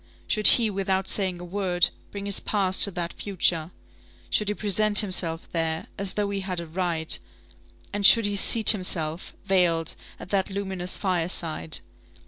Should he, without saying a word, bring his past to that future? Should he present himself there, as though he had a right, and should he seat himself, veiled, at that luminous fireside?